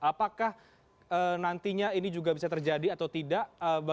apakah nantinya ini juga bisa terjadi atau tidak